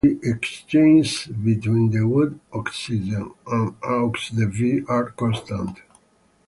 The exchanges between the wood, oxygen and the eaux-de-vie are constant.